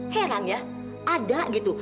heran ya ada gitu